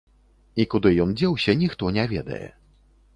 І куды ён дзеўся, ніхто не ведае.